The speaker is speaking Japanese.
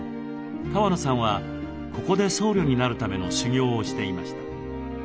川野さんはここで僧侶になるための修行をしていました。